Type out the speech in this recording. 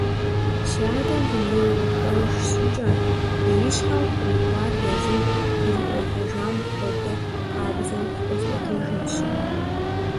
Си адэм, дунейр имыхъуэж щӏыкӏэ, и щхьэм кърикӀуар езым зэриӀуэтэжам хуэдэ къабзэу фхуэсӀуэтэжынщ.